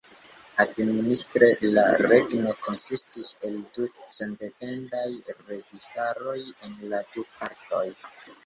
Administre la regno konsistis el du sendependaj registaroj en la du partoj.